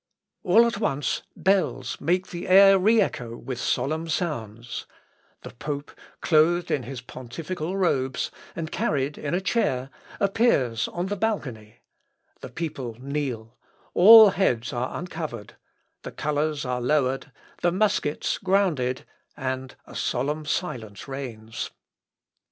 All at once bells make the air re echo with solemn sounds; the pope, clothed in his pontifical robes, and carried in a chair, appears on the balcony; the people kneel, all heads are uncovered, the colours are lowered, the muskets grounded, and a solemn silence reigns.